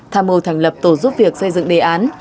tham mô thành lập tổ giúp việc xây dựng đề án